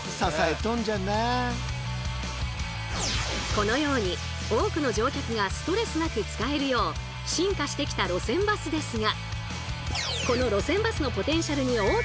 このように多くの乗客がストレスなく使えるよう進化してきた路線バスですが。